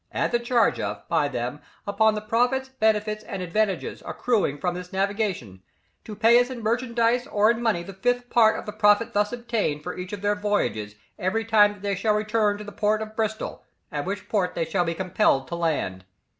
at the charge of, by them, upon the profits, benefits, and advantages, accruing from this navigation, to pay us in merchandise or in money the fifth part of the profit thus obtained, for each of their voyages, every time that they shall return to the port of Bristol (at which port they shall be compelled to land)....